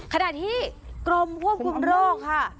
ขณะที่กรมควบคุมโรคค่ะ